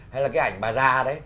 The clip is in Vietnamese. hay là cái ảnh bà già đấy